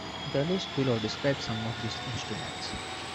The list below describes some of these instruments.